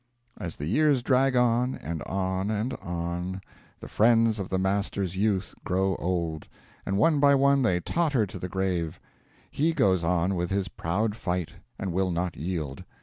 As the years drag on, and on, and on, the friends of the Master's youth grow old; and one by one they totter to the grave: he goes on with his proud fight, and will not yield.